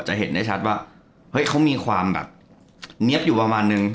เห็นได้ชัดว่าเฮ้ยเขามีความแบบเนี๊ยบอยู่ประมาณนึง